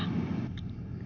terima kasih ya